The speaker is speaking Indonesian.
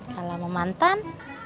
kalau sama mantan